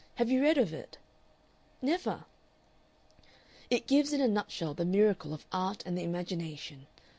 Have you read of it?" "Never." "It gives in a nutshell the miracle of art and the imagination.